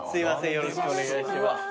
よろしくお願いします。